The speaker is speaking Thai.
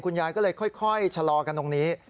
ยายก็เลยค่อยชะลอกันตรงนี้